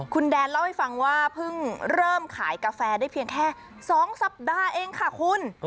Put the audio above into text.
คุณแดนเล่าให้ฟังว่าเพิ่งเริ่มขายกาแฟได้เพียงแค่๒สัปดาห์เองค่ะคุณ